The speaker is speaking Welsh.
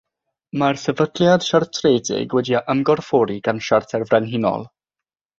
Mae'r Sefydliad Siartredig wedi'i ymgorffori gan Siarter Frenhinol.